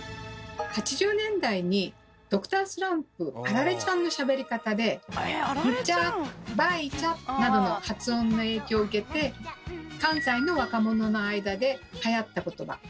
８０年代に「Ｄｒ．スランプアラレちゃん」のしゃべり方で「んちゃ」「ばいちゃ」などの発音の影響を受けて関西の若者の間ではやった言葉と言われてます。